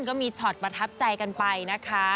ก็มีช็อตประทับใจกันไปนะคะ